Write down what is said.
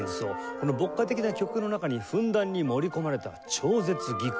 この牧歌的な曲の中にふんだんに盛り込まれた超絶技巧。